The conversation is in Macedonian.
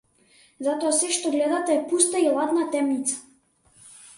Затоа сѐ што гледате е пуста и ладна темница.